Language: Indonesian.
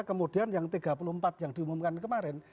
kemudian yang tiga puluh empat yang diumumkan kemarin